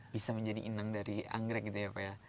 bisa menjadi inang dari anggrek gitu ya pak ya